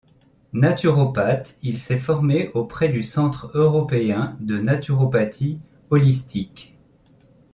Naturopathe, il s'est formé auprès du Centre Européen de Naturopathie Holistique.